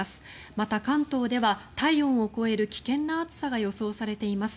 また、関東では体温を超える危険な暑さが予想されています。